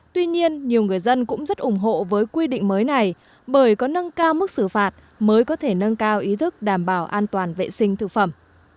tuy nhiên nhiều người dân cũng rất ủng hộ với quy định mới này bởi có nâng cao mức xử phạt mới có thể nâng cao ý thức đảm bảo an toàn vệ sinh thực phẩm